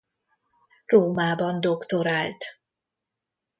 Rómában doktorált.